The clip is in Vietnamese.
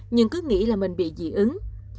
nhưng cứ nghĩ là mình bị dị ứng